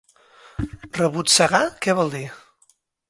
Rebotzegar, què vol dir?